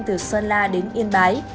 từ sơn la đến yên bái